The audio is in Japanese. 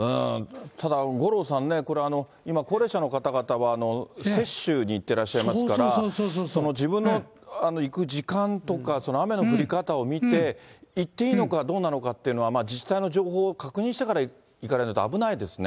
ただ、五郎さんね、これ、今、高齢者の方々は接種に行ってらっしゃいますから、自分の行く時間とか、雨の降り方を見て、行っていいのかどうなのかっていうのは、自治体の情報を確認してから行かれないと危ないですね。